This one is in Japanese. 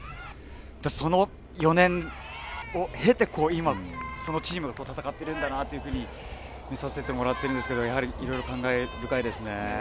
その４年を経て今そのチームが戦ってるんだなというふうに見させてもらっているんですけどやはり、いろいろ感慨深いです。